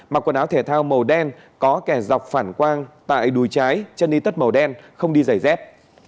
mặc quần áo thể thao màu đen có kẻ dọc phản quang tại đùi trái chân đi tất màu đen không đi giày dép